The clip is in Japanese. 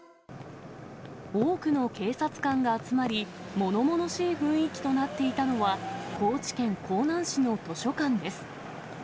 多くの警察官が集まり、ものものしい雰囲気となっていたのは、高知県香南市の図書館です。